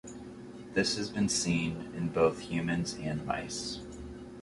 This has been seen in both in humans and mice.